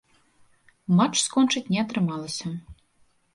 Матч скончыць не атрымалася.